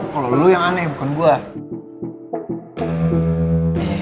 kalo lu yang aneh bukan gue